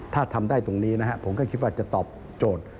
ถ้าทำได้ตรงนี้นะครับผมก็คิดว่าจะตอบโจทย์